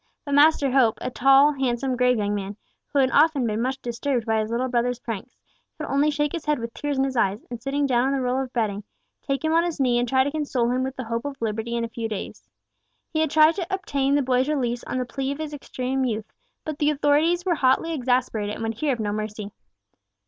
But Master Hope—a tall, handsome, grave young man, who had often been much disturbed by his little brother's pranks—could only shake his head with tears in his eyes, and, sitting down on the roll of bedding, take him on his knee and try to console him with the hope of liberty in a few days. He had tried to obtain the boy's release on the plea of his extreme youth, but the authorities were hotly exasperated, and would hear of no mercy.